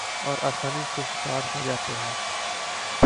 اور آسانی سے شکار ہو جاتے ہیں ۔